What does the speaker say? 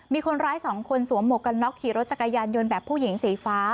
มีคนร้ายสองคนสวมหมวกกันน็อกขี่รถจักรยานยนต์แบบผู้หญิงสีฟ้า